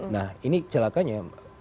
nah ini celakanya